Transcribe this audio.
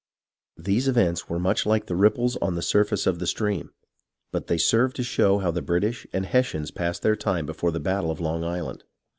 These events were much like ripples on the surface of the stream, but they serve to show how the British and Hessians passed their time before the battle of Long Island.